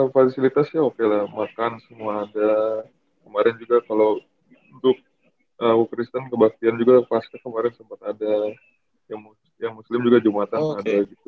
fasilitasnya oke lah makan semua ada kemarin juga kalau untuk bu kristen kebaktian juga pasti kemarin sempat ada yang muslim juga jum atan ada gitu